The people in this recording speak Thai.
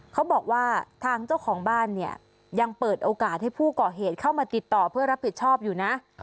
เขาบอกว่าทางเจ้าของบ้านเนี่ยยังเปิดโอกาสให้ผู้ก่อเหตุเข้ามาติดต่อเพื่อรับผิดชอบอยู่นะ